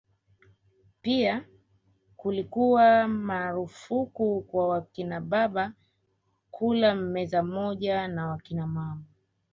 Pia kulikuwa marufuku kwa wakinababa kula meza moja na wakinamama